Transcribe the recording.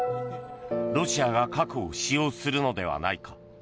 ロシアが核を使用するのではないか。